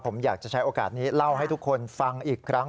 ผมอยากจะใช้โอกาสนี้เล่าให้ทุกคนฟังอีกครั้ง